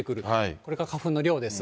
これが花粉の量です。